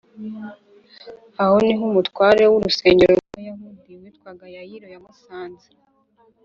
aho ni ho umutware w’urusengero rw’abayahudi witwaga yayiro yamusanze